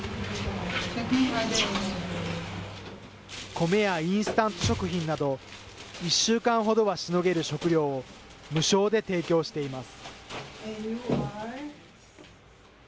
米やインスタント食品など、１週間ほどはしのげる食料を、無償で提供しています。